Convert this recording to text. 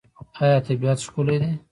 آیا طبیعت ښکلی دی؟